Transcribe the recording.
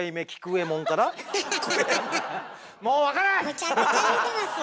むちゃくちゃ言うてますよ。